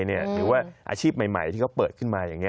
หรือว่าอาชีพใหม่ที่เขาเปิดขึ้นมาอย่างนี้